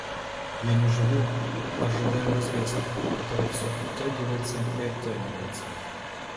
Я не живу, а ожидаю развязки, которая все оттягивается и оттягивается.